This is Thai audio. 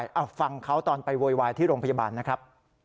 เอาฟังเขาตอนไปโวยวายที่โรงพยาบาลนะครับ